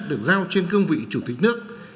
được giao trên cương vị chủ tịch nước